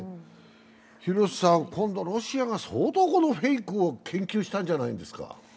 今度ロシアが相当フェイクを研究したんじゃないですか？